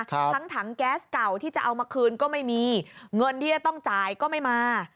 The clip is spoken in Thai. ทั้งถังแก๊สเก่าที่จะเอามาคืนก็ไม่มีเงินที่จะต้องจ่ายก็ไม่มา